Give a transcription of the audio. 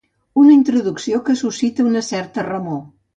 Una introducció que suscita una certa remor.